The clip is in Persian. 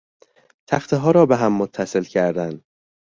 تخته ها را بهم متصل کردن